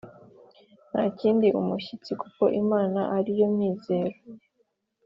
ntahinda umushyitsi, kuko Imana ari yo mizero ye.